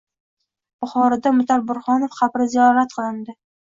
Buxoroda Mutal Burhonov qabri ziyorat qilindi